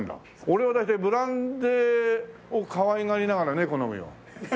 俺は大体ブランデーをかわいがりながらネコ飲むよ。